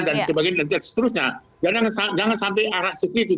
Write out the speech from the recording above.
dan jangan sampai arah sisi itu